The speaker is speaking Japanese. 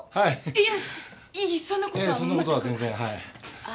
いやいやそんな事は全然はい。